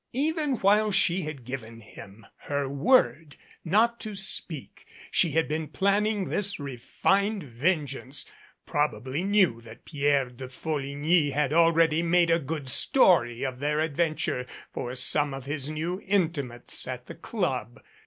Even while she had given him her word not to speak she had been plan ning this refined vengeance, probably knew that Pierre de Folligny had already made a good story of their adven ture for some of his new intimates at the Club.